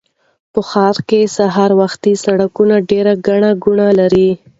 په ښار کې سهار وختي سړکونه ډېر ګڼه ګوڼه لري